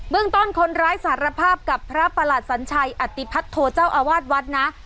เมืองต้นคนร้ายสารภาพกับพระประหลัดสัญชัยอติพัทโทเจ้าอาวาสวัดนะ